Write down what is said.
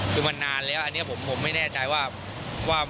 คือมันนานแล้วอันนี้ผมไม่แน่ใจว่า